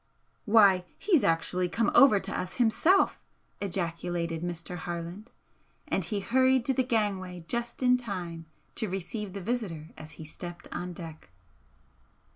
"Why, he's actually come over to us himself!" ejaculated Mr. Harland, and he hurried to the gangway just in time to receive the visitor as he stepped on deck.